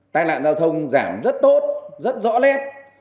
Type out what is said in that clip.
tài nạn giao thông giảm rất tốt rất rõ lét